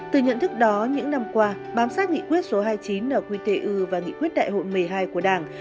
từ nhận thức đó những năm qua bám sát nghị quyết số hai mươi chín nqtu và nghị quyết đại hội một mươi hai của đảng